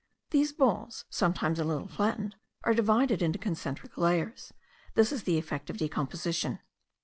These balls, sometimes a little flattened, are divided into concentric layers: this is the effect of decomposition.